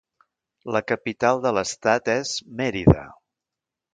La capital de l'estat és Mérida.